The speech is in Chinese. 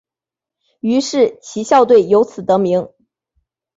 于是其校队由此得名。